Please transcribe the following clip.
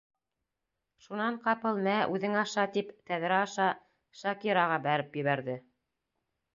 Шунан ҡапыл, мә, үҙең аша, тип тәҙрә аша Шакираға бәреп ебәрҙе.